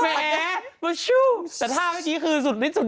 แม่แต่ถ้าเมื่อกี้คือสุดเด็ดแล้วคุณแม่